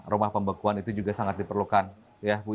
rumah pembekuan itu juga sangat diperlukan ya ibu ya